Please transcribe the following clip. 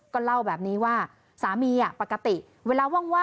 ก็เล่าแบบนี้ว่าสามีปกติเวลาว่าง